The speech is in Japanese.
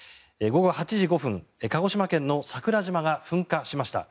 午後８時５分鹿児島県の桜島が噴火しました。